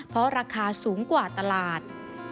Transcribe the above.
เพราะราคาสูงกว่าตลาด